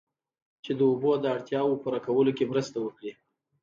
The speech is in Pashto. چې د اوبو د اړتیاوو پوره کولو کې مرسته وکړي